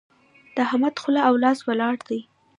د احمد خوله او لاس ولاړ دي.